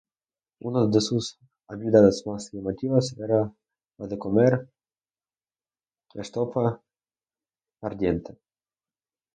Una de sus habilidades más llamativas era la de "comer" estopa ardiente.